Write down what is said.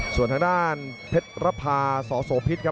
ส่วนทางด้านเพชรระพาสอโสพิษครับ